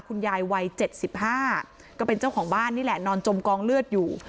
คุณยายวัย๗๕ก็เป็นเจ้าของบ้านนี่แหละนอนจมกองเลือดอยู่